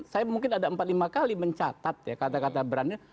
saya mungkin ada empat lima kali mencatat ya kata kata berani